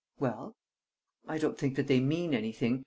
"Well?" "I don't think that they mean anything.